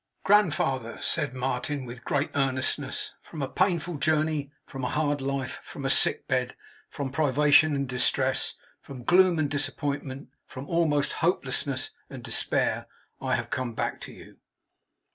'Grandfather!' said Martin, with great earnestness. 'From a painful journey, from a hard life, from a sick bed, from privation and distress, from gloom and disappointment, from almost hopelessness and despair, I have come back to you.